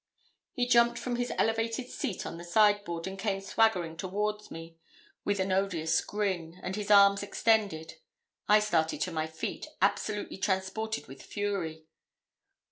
He jumped from his elevated seat on the sideboard, and came swaggering toward me, with an odious grin, and his arms extended. I started to my feet, absolutely transported with fury.